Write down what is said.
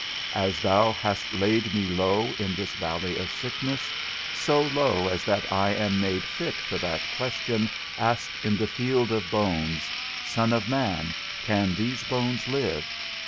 As thou hast laid me low in this valley of sickness, so low as that I am made fit for that question asked in the field of bones, _Son of man, can these bones live?